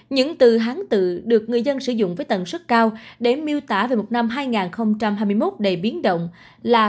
những từ hán tự được người dân sử dụng với tần suất cao để miêu tả về một năm hai nghìn hai mươi một đầy biến động là